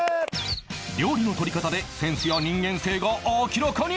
料理の取り方でセンスや人間性が明らかに！